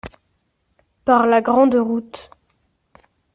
Par la grande route.